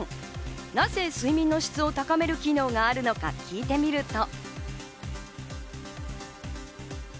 なぜ睡眠の質を高める機能があるのか聞いてみると。